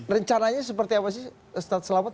rencananya seperti apa sih ustadz selamat